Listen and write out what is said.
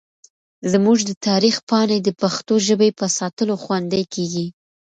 زموږ د تاریخ پاڼې د پښتو ژبې په ساتلو خوندي کېږي.